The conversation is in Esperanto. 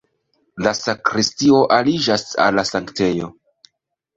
La sakristio aliĝas al la sanktejo.